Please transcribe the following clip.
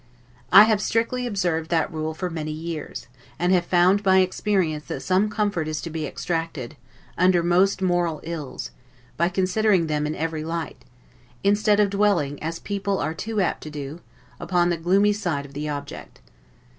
I have strictly observed that rule for many years, and have found by experience that some comfort is to be extracted, under most moral ills, by considering them in every light, instead of dwelling, as people are too apt to do, upon the gloomy side of the object.